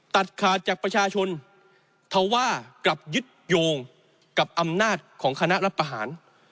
ตัดขาดจากประชาชนทว่ากลับยึดโยงกับอำนาจของคณะรัฐประหาร